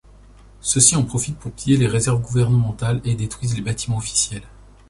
Ceux-ci en profitent pour piller les réserves gouvernementales, et détruisent les bâtiments officiels.